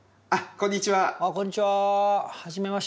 こんにちは。